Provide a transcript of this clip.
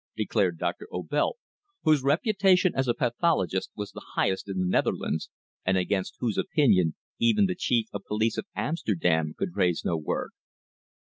declared Doctor Obelt, whose reputation as a pathologist was the highest in the Netherlands, and against whose opinion even the Chief of Police of Amsterdam could raise no word.